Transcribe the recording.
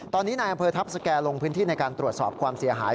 ตอนนี้นายอำเภอทัพสแก่ลงพื้นที่ในการตรวจสอบความเสียหาย